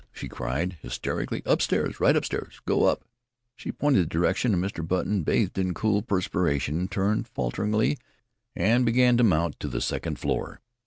she cried hysterically. "Upstairs. Right upstairs. Go up!" She pointed the direction, and Mr. Button, bathed in cool perspiration, turned falteringly, and began to mount to the second floor.